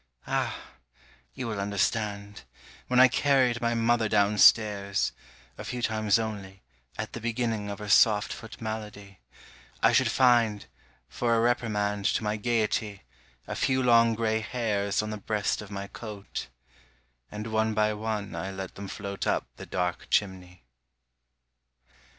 Ah, you will understand; When I carried my mother downstairs, A few times only, at the beginning Of her soft foot malady, I should find, for a reprimand To my gaiety, a few long grey hairs On the breast of my coat; and one by one I let them float up the dark chimney.